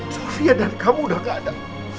sofia dan kamu udah gak ada